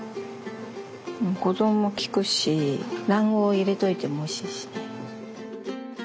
保存もきくし卵黄入れといてもおいしいしね。